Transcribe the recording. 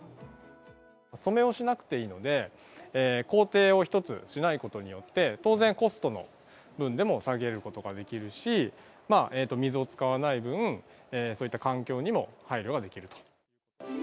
染をしなくていいので、工程を１つしないことによって、当然、コストの部分でも下げることができるし、水を使わない分、そういった環境にも配慮ができます。